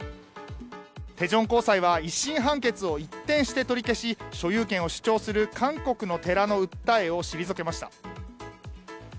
テジョン高裁は１審判決を一転して取り消し所有権を主張する韓国の寺の訴えを退けました。